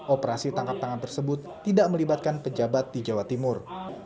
operasi tangkap tangan tersebut tidak melibatkan pejabat di jawa timur